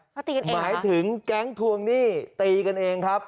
เขาตีกันเองหมายถึงแก๊งทวงหนี้ตีกันเองครับ